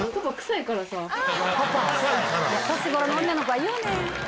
年頃の女の子は言うねん。